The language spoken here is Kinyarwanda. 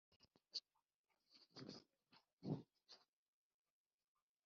musozi wa Abarimu wit gere igihugu nahaye